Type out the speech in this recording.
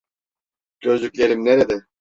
Gözlüklerim nerede?